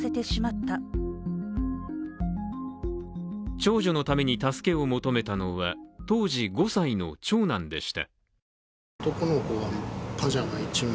長女のために助けを求めたのは当時５歳の長男でした。